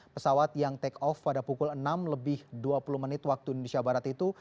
pesawat yang take off pada pukul enam lebih dua puluh menit waktu indonesia barat itu